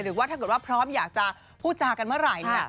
หรือว่าถ้าเกิดว่าพร้อมอยากจะพูดจากันเมื่อไหร่เนี่ย